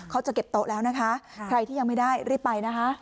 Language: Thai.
เขาจะเก็บโต๊ะแล้วนะคะใครที่ยังไม่ได้รีบไปนะคะ